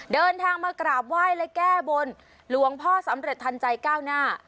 เดินทางมากราบไหว้และแก้บนหลวงพ่อสำเร็จทันใจก้าวหน้า